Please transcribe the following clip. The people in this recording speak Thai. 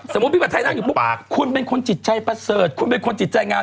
พี่ผัดไทยนั่งอยู่ปุ๊บคุณเป็นคนจิตใจประเสริฐคุณเป็นคนจิตใจงาน